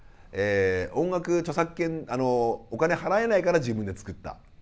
音楽著作権お金払えないから自分で作った。